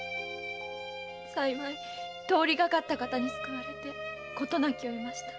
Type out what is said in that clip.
幸い通りかかった方に救われて事なきを得ました。